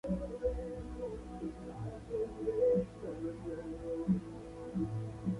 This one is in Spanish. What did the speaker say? Las mutaciones de este gen se han asociado con el cáncer.